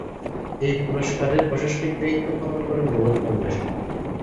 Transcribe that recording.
এই পুরস্কারের প্রশাসনিক দায়িত্ব পালন করে নোবেল ফাউন্ডেশন।